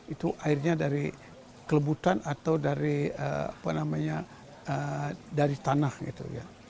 itu airnya dari kelebutan atau dari apa namanya dari tanah gitu ya